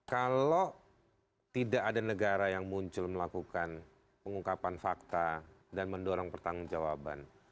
kalau tidak ada negara yang muncul melakukan pengungkapan fakta dan mendorong pertanggung jawaban